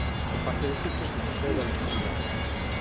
Comparte edificio co Museo da Electricidade.